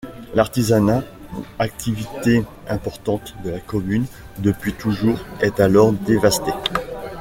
L'artisanat, activité importante de la commune depuis toujours est alors dévasté.